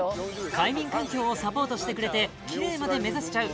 快眠環境をサポートしてくれてキレイまで目指せちゃう